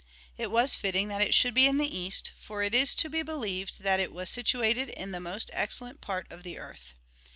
It was fitting that it should be in the east; for it is to be believed that it was situated in the most excellent part of the earth.